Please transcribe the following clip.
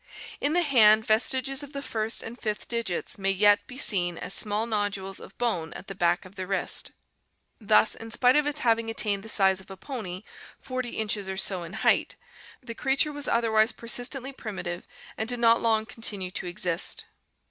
In the hand, ves [y tiges of the first and fifth digits may yet be seen as small nodules of bone at the back of the wrist. Thus in spite of its having attained the size of a pony, 40 inches or so in height, _ the creature was otherwise persist JSiSKS^^lU'JSi ently primitive and did not long Miocene, North America. One fourth continue to exist.